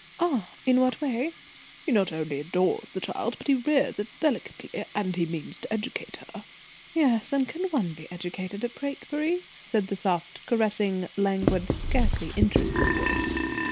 "Ah! In what way?" "He not only adores the child, but he rears it delicately, and he means to educate her." "Yes? And can one be educated at Brakebury?" said the soft, caressing, languid, scarcely interested voice.